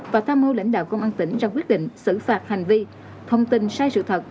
và tham mưu lãnh đạo công an tỉnh ra quyết định xử phạt hành vi thông tin sai sự thật